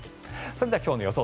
それでは今日の予想